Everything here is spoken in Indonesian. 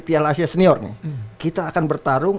piala asia senior nih kita akan bertarung